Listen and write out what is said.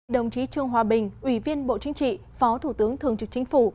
đồng chí trương hòa bình ủy viên bộ chính trị phó thủ tướng thường trực chính phủ